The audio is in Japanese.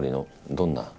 どんな？